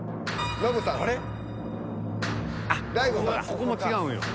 ここも違うんよ。